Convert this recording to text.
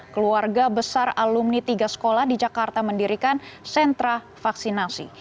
keluarga besar alumni tiga sekolah di jakarta mendirikan sentra vaksinasi